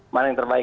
mana yang terbaik